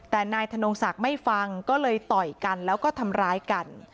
แต่นายธนงศักดิ์ไม่ฟังก็เลยต่อยกันแล้วก็ทำร้ายกัน